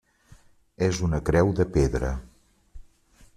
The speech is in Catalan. És una creu de pedra.